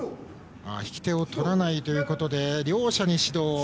引き手をとらないということで両者に指導。